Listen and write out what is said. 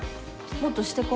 もっとしてこ。